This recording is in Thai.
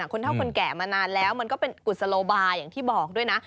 คนเท่าคนแก่มานานแล้วมันก็เป็นกุศโลบายอย่างที่บอกด้วยนะ